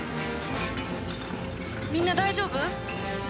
みんな大丈夫？